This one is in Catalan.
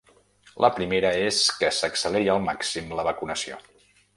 La primera és que s’acceleri al màxim la vacunació.